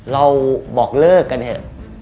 เราบอกเลิกกันเถอะ